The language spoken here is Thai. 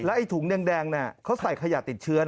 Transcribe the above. แล้วไอ้ถุงแดงนี่เขาใส่ขยะติดเชื้อน่ะ